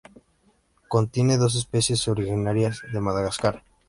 Contiene dos especies originarias de Madagascar.